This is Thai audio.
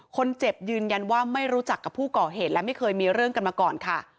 ยืนยันว่าไม่รู้จักกับผู้ก่อเหตุและไม่เคยมีเรื่องกันมาก่อนค่ะ